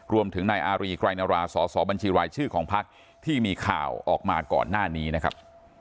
รวมถึงนายอารีไกรนราสอสอบัญชีรายชื่อของพักที่มีข่าวออกมาก่อนหน้านี้นะครับ